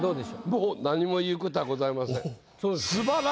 もう何も言うことはございません。